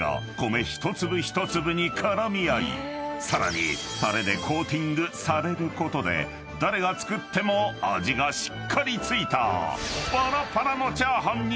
［さらにタレでコーティングされることで誰が作っても味がしっかり付いた］